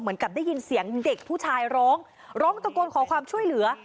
เหมือนกับได้ยินเสียงเด็กผู้ชายร้องร้องตะโกนขอความช่วยเหลือ